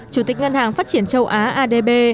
chủ tịch ngân hàng phát triển châu á adb